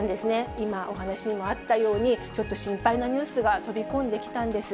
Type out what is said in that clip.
今、お話にもあったように、ちょっと心配なニュースが飛び込んできたんです。